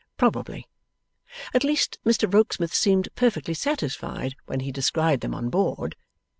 Probably. At least, Mr John Rokesmith seemed perfectly satisfied when he descried them on board.